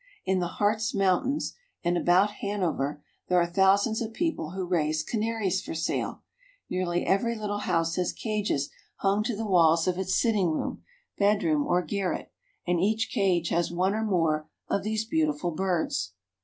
In the Harz Mountains and about Hanover there are thousands of people who raise canaries for sale. Nearly every little house has cages hung to the walls of its sitting room, bed room or garret, and each cage has one or more of these beautiful birds.